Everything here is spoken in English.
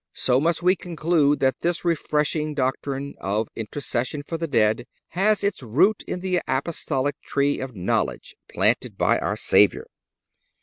So must we conclude that this refreshing doctrine of intercession for the dead has its root in the Apostolic tree of knowledge planted by our Savior.